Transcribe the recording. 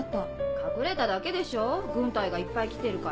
隠れただけでしょ軍隊がいっぱい来てるから。